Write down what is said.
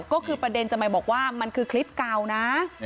ก็คือประเด็นจะมาบอกว่ามันคือคลิปเก่านะ